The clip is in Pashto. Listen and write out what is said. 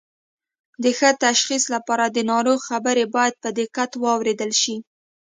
د ښه تشخیص لپاره د ناروغ خبرې باید په دقت واوریدل شي